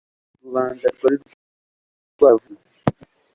rubanda rwari rwaravuye mu misiri